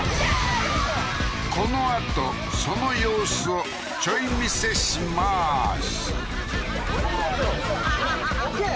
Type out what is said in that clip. このあとその様子をちょい見せしまーすオーケー？